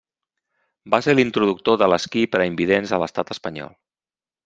Va ser l'introductor de l'esquí per a invidents a l'estat espanyol.